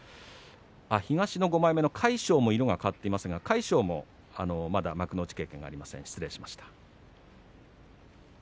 東の５枚目の魁勝、色が変わっていませんが魁勝もまだ幕内経験がありません。